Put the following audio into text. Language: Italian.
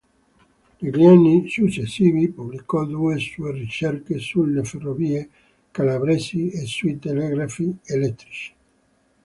Negli anni successivi, pubblicò due sue ricerche sulle ferrovie calabresi e sui telegrafi elettrici.